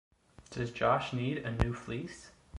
Does Josh need a new fleece?